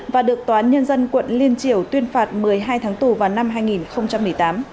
và được toán nhân dân quận liên triều tuyên phạt một mươi hai tháng tù vào năm hai nghìn một mươi tám